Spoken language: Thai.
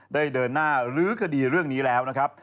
เดินหน้าลื้อคดีเรื่องนี้แล้วนะครับ